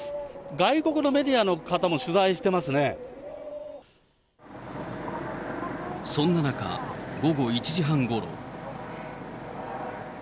外国のメディアの方も取材してまそんな中、午後１時半ごろ。